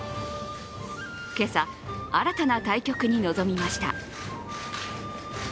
今朝、新たな対局に臨みました。